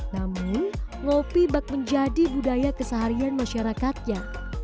namun ngopi bak menjadi budaya keseharian masyarakatnya